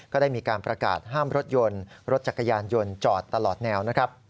ก็ได้มีการประกาศห้ามรถยนต์รถจักรยานยนต์จอดตลอดแนวนะครับ